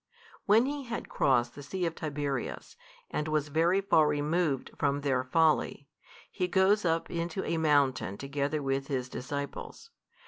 When He had crossed the sea of Tiberias, and was very far removed from their folly, He goes up into a mountain together with His disciples.